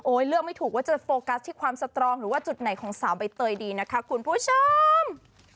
เลือกไม่ถูกว่าจะโฟกัสที่ความสตรองหรือว่าจุดไหนของสาวใบเตยดีนะคะคุณผู้ชม